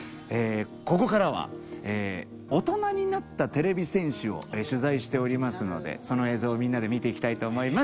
ここからはオトナになったてれび戦士を取材しておりますのでその映像をみんなで見ていきたいと思います。